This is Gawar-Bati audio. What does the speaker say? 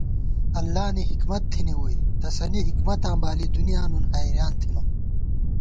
اللہ نی حِکمت تھنی ووئی، تسَنی حِکمتاں بالی دُنیا نُن حېریان تھنہ